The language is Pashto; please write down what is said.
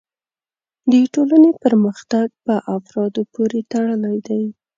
د ټولنې پرمختګ په افرادو پورې تړلی دی.